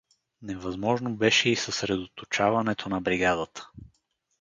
Невъзможно беше и съсредоточаването на бригадата.